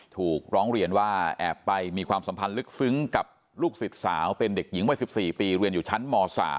ถูกร้องเรียนว่าแอบไปมีความสัมพันธ์ลึกซึ้งกับลูกศิษย์สาวเป็นเด็กหญิงวัย๑๔ปีเรียนอยู่ชั้นม๓